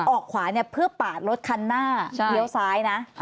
ออกขวาเนี่ยเพื่อปาดรถคันหน้าเลี้ยวซ้ายนะ